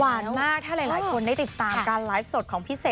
มากถ้าหลายคนได้ติดตามการไลฟ์สดของพี่เสก